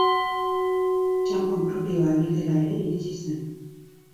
Txanpon propioa egitera ere iritsi zen.